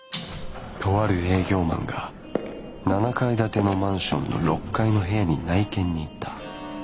とある営業マンが７階建てのマンションの６階の部屋に内見に行った。